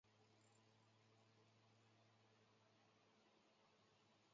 由釜山市及北港大桥株式会社负责建造和管理。